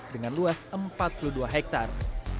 dengan luas empat puluh dua hektare